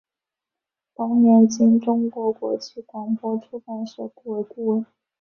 同年经中国国际广播出版社雇为顾问。